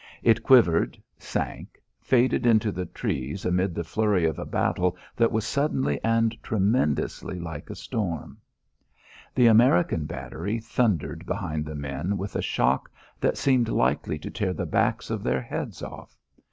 It quivered, sank, faded into the trees amid the flurry of a battle that was suddenly and tremendously like a storm. The American battery thundered behind the men with a shock that seemed likely to tear the backs of their heads off.